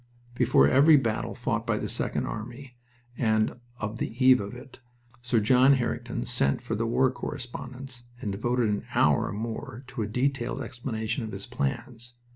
Before every battle fought by the Second Army, and of the eve of it, Sir John Harington sent for the war correspondents and devoted an hour or more to a detailed explanation of his plans.